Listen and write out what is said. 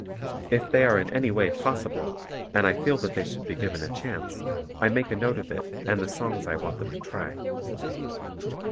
If they are in any way possible and I feel that they should be given a chance, I make a note of it and the songs I want them to try.